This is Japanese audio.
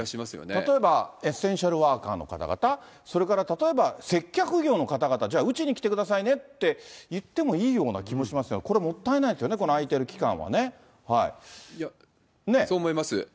例えば、エッセンシャルワーカーの方々、それから例えば接客業の方々、じゃあ打ちに来てくださいねって、言ってもいいような気もしますけど、これもったいないですよね、この空いてる期間はねそう思います。